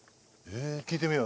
聞いてみよう。